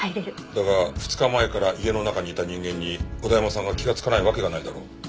だが２日前から家の中にいた人間に小田山さんが気がつかないわけがないだろう。